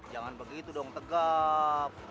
jangan begitu dong tegap